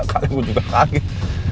kalian gue juga kaget